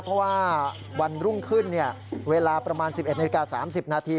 เพราะว่าวันรุ่งขึ้นเวลาประมาณ๑๑นาฬิกา๓๐นาที